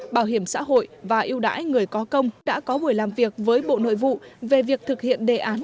bảo hiểm xã hội và yêu đãi người có công đã có buổi làm việc với bộ nội vụ về việc thực hiện đề án